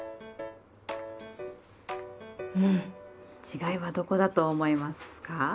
違いはどこだと思いますか？